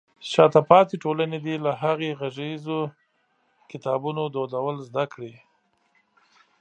شاته پاتې ټولنې دې له هغې د غږیزو کتابونو دودول زده کړي.